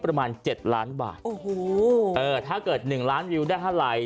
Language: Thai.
ประมาณเจ็ดล้านบาทโอ้โหเออถ้าเกิดหนึ่งล้านวิวได้เท่าไหร่